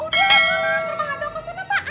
pak handoko kenapa